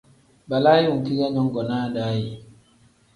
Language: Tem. Balaayi wenki ge nyongonaa daa ye ?